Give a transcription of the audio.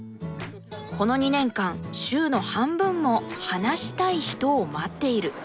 この２年間週の半分も「話したい人」を待っている。